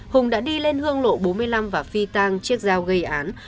hùng đã đi lên hương lộ bốn mươi năm và phi tang chiếc dao gây án